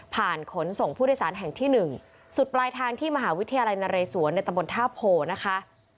ขนส่งผู้โดยสารแห่งที่๑สุดปลายทางที่มหาวิทยาลัยนเรศวรในตำบลท่าโพนะคะ